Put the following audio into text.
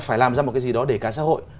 phải làm ra một cái gì đó để cả xã hội